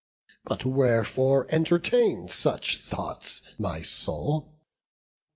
But wherefore entertain such thoughts, my soul?